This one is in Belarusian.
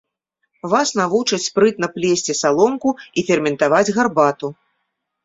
Вас навучаць спрытна плесці саломку і ферментаваць гарбату.